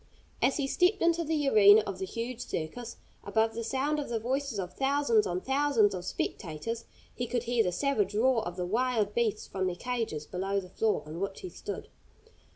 As he stepped into the arena of the huge circus, above the sound of the voices of thousands on thousands of spectators he could hear the savage roar of the wild beasts from their cages below the floor on which he stood.